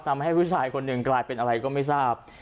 ทำให้ผู้ชายคนหนึ่งกลายเป็นอะไรก็ไม่ทราบ